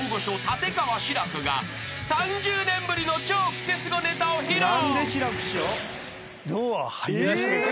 立川志らくが３０年ぶりの超クセスゴネタを披露］